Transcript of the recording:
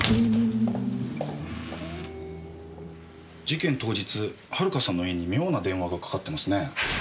事件当日遥さんの家に妙な電話がかかってますね。